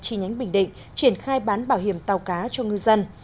chi nhánh bình định triển khai bán bảo hiểm tàu cá cho ngư dân